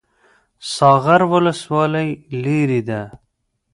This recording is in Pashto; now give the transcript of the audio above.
ساغر ولسوالۍ لیرې ده؟